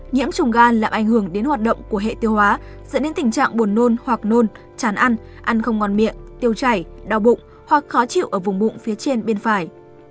nhiễm trùng gan làm ảnh hưởng đến hoạt động của hệ tiêu hóa dẫn đến tình trạng buồn nôn hoặc nôn chán ăn ăn không ngon miệng tiêu chảy đau bụng hoặc khó chịu ở vùng bụng phía trên bên phải